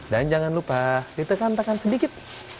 dan jangan lupa ditekan tekan sedikit